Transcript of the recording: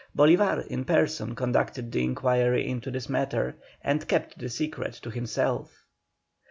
Bolívar in person conducted the enquiry into the matter, and kept the secret to himself.